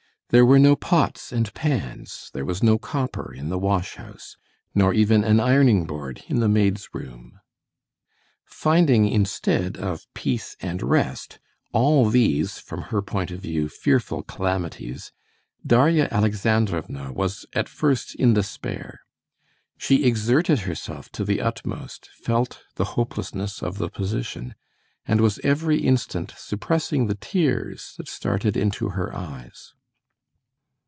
There were no pots and pans; there was no copper in the washhouse, nor even an ironing board in the maids' room. Finding instead of peace and rest all these, from her point of view, fearful calamities, Darya Alexandrovna was at first in despair. She exerted herself to the utmost, felt the hopelessness of the position, and was every instant suppressing the tears that started into her eyes.